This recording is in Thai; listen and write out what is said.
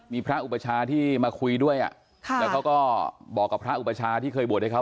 มีพระอุปชาที่มาคุยด้วยแล้วเขาก็บอกกับพระอุปชาที่เคยบวชให้เขา